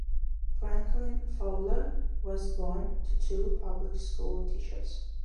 Franklin Fowler was born to two public school teachers.